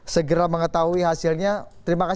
segera mengetahui hasilnya